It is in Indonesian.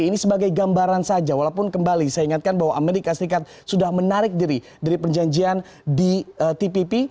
ini sebagai gambaran saja walaupun kembali saya ingatkan bahwa amerika serikat sudah menarik diri dari perjanjian di tpp